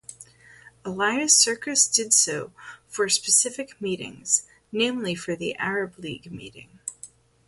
Elias Sarkis did so for specific meetings, namely for the Arab League meeting.